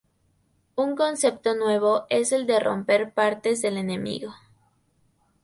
Un concepto nuevo es el de romper partes del enemigo.